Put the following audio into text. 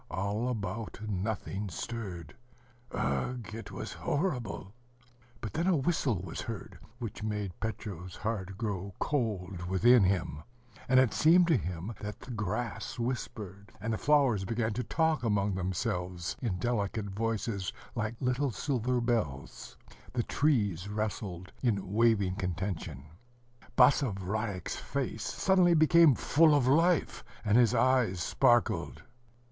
All about, nothing stirred. Ugh! it was horrible! But then a whistle was heard, which made Petro's heart grow cold within him; and it seemed to him that the grass whispered, and the flowers began to talk among themselves in delicate voices, like little silver bells; the trees rustled in waving contention; Basavriuk's face suddenly became full of life, and his eyes sparkled.